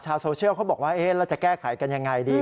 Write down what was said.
ชาวโซเชียลเขาบอกว่าแล้วจะแก้ไขกันอย่างไรดี